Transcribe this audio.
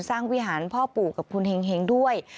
วิหารพ่อปู่กับคุณเห็งด้วย